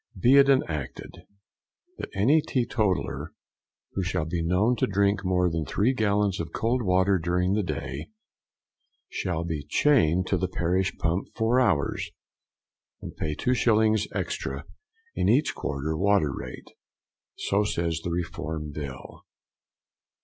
BE IT ENACTED: That any teetotaler who shall be known to drink more than three gallons of cold water during the day, shall be chained to the parish pump four hours, and pay two shillings extra, in each quarter, water rate. So says the Reform Bill.